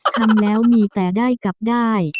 ทำแล้วมีแต่ได้กลับได้